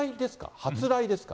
発雷ですか？